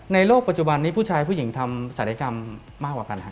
โลกปัจจุบันนี้ผู้ชายผู้หญิงทำศัลยกรรมมากกว่ากันฮะ